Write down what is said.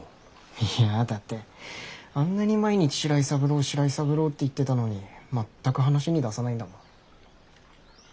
いやだってあんなに毎日白井三郎白井三郎って言ってたのに全く話に出さないんだもん。